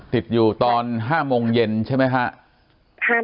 ติดอยู่ตอน๕โมงเย็นใช่ไหมครับ